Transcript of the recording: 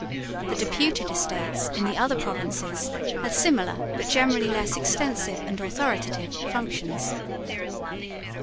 The Deputed Estates in the other provinces had similar but generally less extensive and authoritative functions.